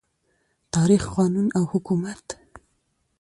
تاریخ، قانون او حکومت